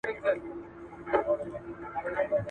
له محفله یې بهر کړم د پیمان استازی راغی